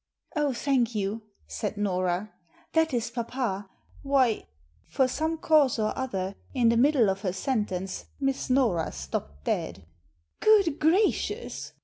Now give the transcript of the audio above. "Oh, thank you," said Nora. "That is papa. Why '' For some cause or other, in the middle of her sentence Miss Nora stopped dead. "Good gracious!"